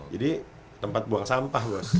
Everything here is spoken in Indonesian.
tempat buang sampah bos